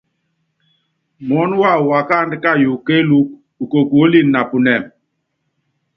Muɔ́nɔ wawɔ wáakáandú kayuukɔ kéelúku, ukuɔ́líni napunɛ́m.